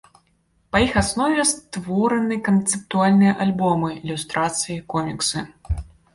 Па іх аснове створаны канцэптуальныя альбомы, ілюстрацыі, коміксы.